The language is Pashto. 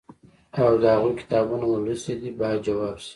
او د هغوی کتابونه مو لوستي دي باید ځواب شي.